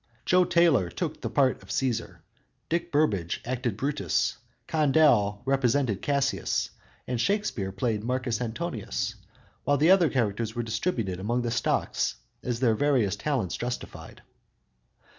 Jo Taylor took the part of Cæsar, Dick Burbage acted Brutus, Condell represented Cassius and Shakspere played Marcus Antonius, while the other characters were distributed among the "stock" as their various talents justified.